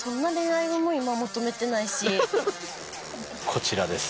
こちらです。